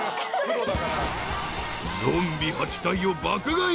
［ゾンビ８体を爆買い。